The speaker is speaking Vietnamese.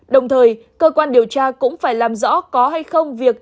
đồng thời cơ quan điều tra cũng phải làm rõ có hay không việc